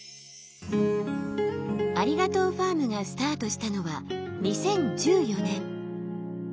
ありがとうファームがスタートしたのは２０１４年。